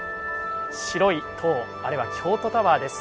白い塔あれは京都タワーです。